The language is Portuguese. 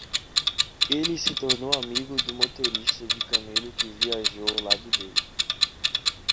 Ele se tornou amigo do motorista de camelo que viajou ao lado dele.